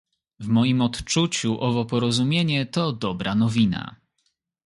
W moim odczuciu owo porozumienie to dobra nowina